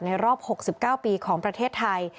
รอบ๖๙ปีของประเทศไทย